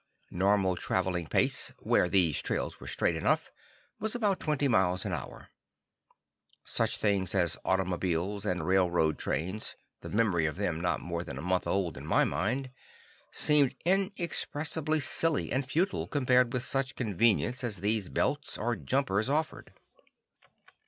Normal traveling pace, where these trails were straight enough, was about twenty miles an hour. Such things as automobiles and railroad trains (the memory of them not more than a month old in my mind) seemed inexpressibly silly and futile compared with such convenience as these belts or jumpers offered.